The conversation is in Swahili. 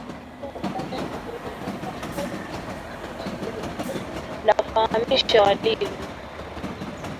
na wananifahamisha walivyo